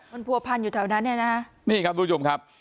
มันผัวพันอยู่แถวนั้นเนี่ยนะฮะนี่ครับทุกผู้ชมครับ